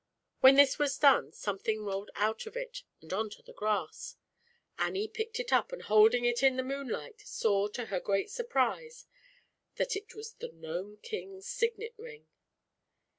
When this was done, something rolled out of it and on to the grass. Annie picked it up, and holding it in the moonlight, saw to her great surprise, that it was the Gnome King's Signet Ring.